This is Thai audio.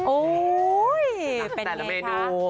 โอ๊ยเป็นอย่างไรคะแต่ละเมนู